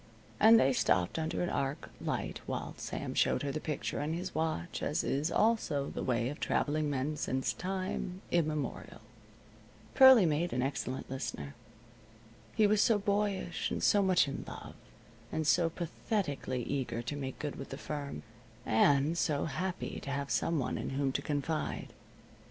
And they stopped under an arc light while Sam showed her the picture in his watch, as is also the way of traveling men since time immemorial. Pearlie made an excellent listener. He was so boyish, and so much in love, and so pathetically eager to make good with the firm, and so happy to have some one in whom to confide.